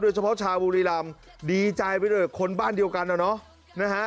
เฉพาะชาวบุรีรำดีใจไปด้วยคนบ้านเดียวกันนะเนาะนะฮะ